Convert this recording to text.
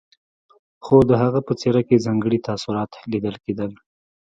خو د هغه په څېره کې ځانګړي تاثرات ليدل کېدل.